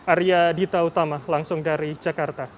arya dita utama langsung dari jakarta